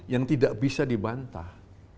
yang tidak bisa dibantah